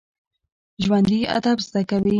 ژوندي ادب زده کوي